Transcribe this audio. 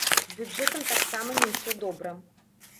З бюджэтам таксама не ўсё добра.